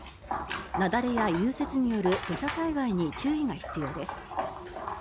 雪崩や融雪による土砂災害に注意が必要です。